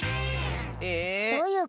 えっ⁉どういうこと？